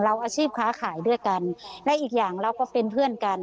อาชีพค้าขายด้วยกันและอีกอย่างเราก็เป็นเพื่อนกัน